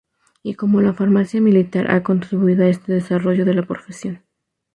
Y como La Farmacia Militar ha contribuido a este desarrollo de la profesión.